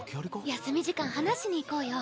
休み時間話しに行こうよ。